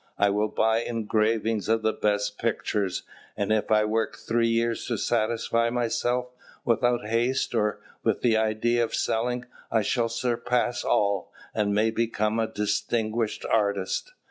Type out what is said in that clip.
I will buy engravings of the best pictures. And if I work three years to satisfy myself, without haste or with the idea of selling, I shall surpass all, and may become a distinguished artist."